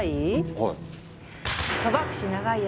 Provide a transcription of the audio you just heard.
はい。